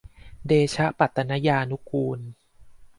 เดชะปัตตนยานุกูล